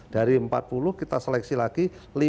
dari empat puluh kita seleksi lagi lima